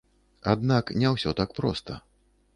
Аднак, не ўсё так проста.